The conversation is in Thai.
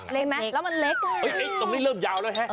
เล็กไหมแล้วมันเล็กอ่ะตรงนี้เริ่มยาวแล้วฮะ